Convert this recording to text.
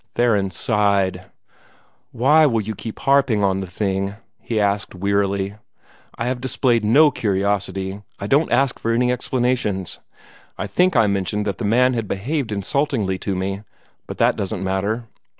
Theron sighed. "Why will you keep harping on the thing?" he asked wearily. "I have displayed no curiosity. I don't ask for any explanations. I think I mentioned that the man had behaved insultingly to me but that doesn't matter.